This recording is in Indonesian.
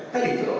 kan gitu dong